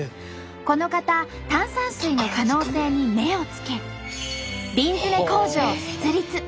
この方炭酸水の可能性に目をつけ瓶詰め工場を設立。